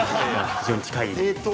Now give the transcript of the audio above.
◆非常に近い。